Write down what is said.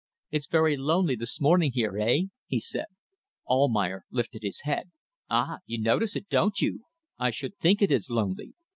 "It's very lonely this morning here. Hey?" he said. Almayer lifted up his head. "Ah! you notice it don't you? I should think it is lonely!